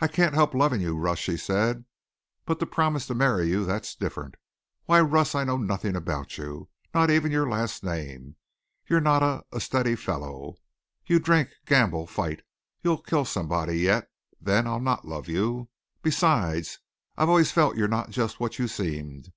"I can't help loving you, Russ," she said. "But to promise to marry you, that's different. Why, Russ, I know nothing about you, not even your last name. You're not a a steady fellow. You drink, gamble, fight. You'll kill somebody yet. Then I'll not love you. Besides, I've always felt you're not just what you seemed.